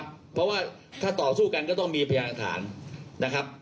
เพราะว่าถ้าต่อสู้กันก็ต้องมีพยานฐานนะครับ